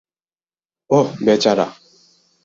ওহ, বেচারা।